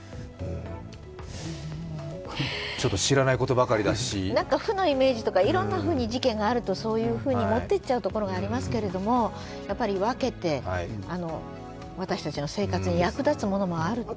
ちょっと知らないことばかりだし何か負のイメージとかいろんなふうに事件があるとそういうふうにもっていっちゃうところがありますけど、やっぱり分けて私たちの生活に役立つものもあるという。